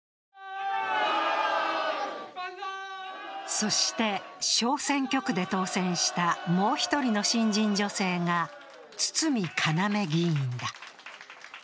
そして、小選挙区で当選したもう１人の新人女性が堤かなめ議員だ。